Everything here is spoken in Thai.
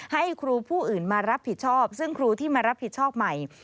ให้ครูผู้อื่นมารับผิดชอบซึ่งครูที่มารับผิดชอบใหม่